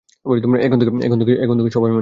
এখন থেকে সব এমনই হবে।